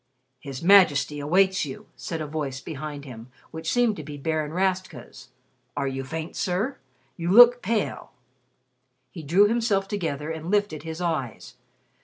"His Majesty awaits you," said a voice behind him which seemed to be Baron Rastka's. "Are you faint, sir? You look pale." He drew himself together, and lifted his eyes.